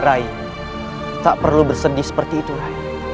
rai tak perlu bersedih seperti itu rai